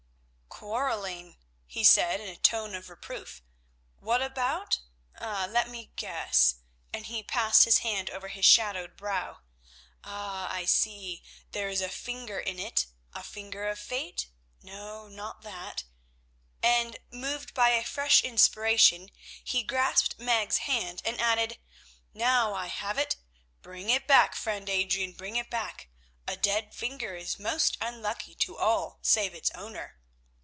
"Quarrelling," he said in a tone of reproof. "What about? Let me guess," and he passed his hand over his shadowed brow. "Ah! I see, there is a finger in it, a finger of fate? No, not that," and, moved by a fresh inspiration, he grasped Meg's hand, and added, "Now I have it. Bring it back, friend Adrian, bring it back; a dead finger is most unlucky to all save its owner.